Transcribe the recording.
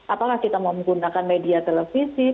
apakah kita mau menggunakan media televisi